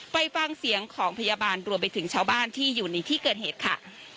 ไปฟังเสียงของพยาบาลรวมไปถึงชาวบ้านที่อยู่ในที่เกิดเหตุค่ะ